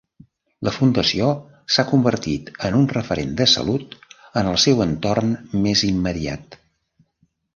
La Fundació s'ha convertit en un referent de salut en el seu entorn més immediat.